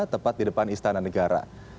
tepat di depan istana negara